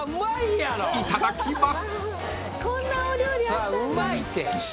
［いただきます］